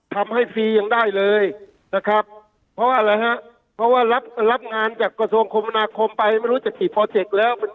ฟรียังได้เลยนะครับเพราะอะไรฮะเพราะว่ารับงานจากกระทรวงคมนาคมไปไม่รู้จะกี่โปรเจคแล้ว